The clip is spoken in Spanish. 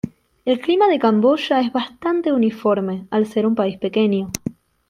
El clima de Camboya es bastante uniforme, al ser un país pequeño.